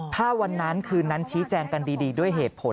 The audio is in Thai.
ถ้าวันนั้นคืนนั้นชี้แจงกันดีด้วยเหตุผล